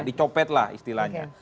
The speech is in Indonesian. dicopet lah istilahnya